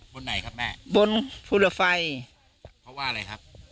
บนไหนครับแม่บนภูเรือไฟเพราะว่าอะไรครับ